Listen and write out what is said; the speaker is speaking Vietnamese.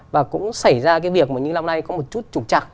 và cũng xảy ra cái việc mà như lòng này có một chút chủ trạng